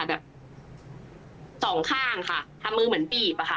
แบบสองข้างค่ะทำมือเหมือนบีบอะค่ะ